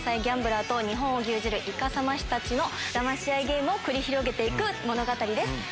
ギャンブラーと日本を牛耳るイカサマ師たちのだまし合いゲームを繰り広げて行く物語です。